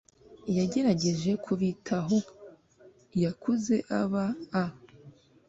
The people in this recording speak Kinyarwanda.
yagerageje kubitaho. yakuze aba a